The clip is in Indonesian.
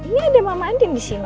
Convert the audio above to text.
ini ada mama andit disini sayang